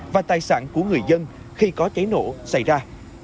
và tài sản của người dân khi có cháy nổ xảy ra